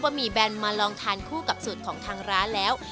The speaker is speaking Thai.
แล้วก็คือกับสูตรของทางร้านแล้ว